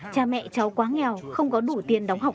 cha mẹ cháu quá nghèo không có đủ tiền đóng học